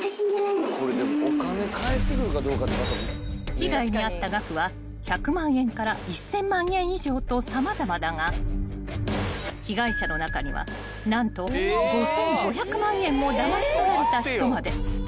［被害に遭った額は１００万円から１，０００万円以上と様々だが被害者の中には何と５，５００万円もだまし取られた人まで］